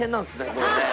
これね。